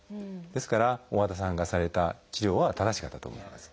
ですから大和田さんがされた治療は正しかったと思います。